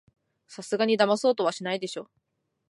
さすがにだまそうとはしないでしょ